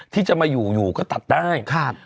ที่จะมาอยู่อยู่ก็ตัดได้